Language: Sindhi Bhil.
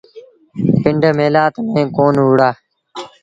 پنڊ مهلآت ميݩ ڪون وهُڙآ